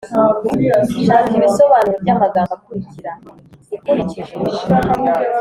shaka ibisobanuro by’amagambo akurikira ukurikije